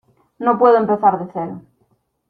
no puedo empezar de cero.